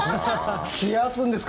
冷やすんですか？